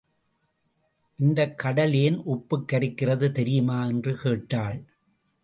இந்தக் கடல் ஏன் உப்புக் கரிக்கிறது தெரியுமா? என்று கேட்டாள்.